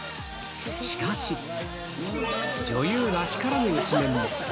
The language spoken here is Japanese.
しかし、女優らしからぬ一面も。